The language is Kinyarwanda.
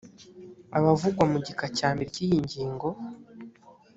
abavugwa mu gika cya mbere cy’iyi ngingo